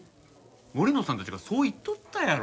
森野さんたちがそう言っとったやろ。